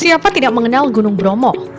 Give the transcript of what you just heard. siapa tidak mengenal gunung bromo